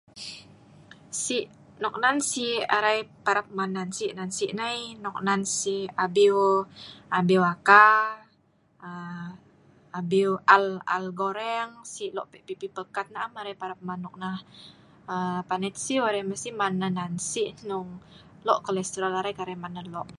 Si noknan si arai parap man nensi-nensi nai, noknan si’ abieu, abieu aka, abieu aal, aal goreng si’ loe pi pi pei pelkat, am arai parap man nok nah panet sieu mesti arai man nok nah nensi’, Loe’ kolestrol arai kai arai man nah loe’